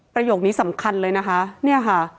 ประโยคนี้สำคัญเลยนะคะเนี่ยค่ะ